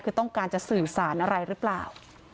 คือต้องการจะสื่อสารอะไรหรือเปล่า